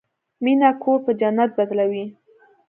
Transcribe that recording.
مینه کور په جنت بدلوي.